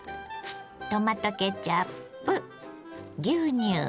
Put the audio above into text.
トマトケチャップ牛乳カレー粉。